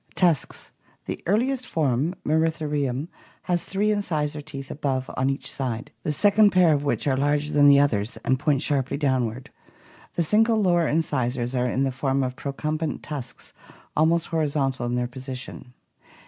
Tusks. — The earliest form, Mosritheriumy has three incisor teeth above on each side, the second pair of which are larger than the others and point sharply downward; the single lower incisors are in the form of procumbent tusks almost horizontal in their position.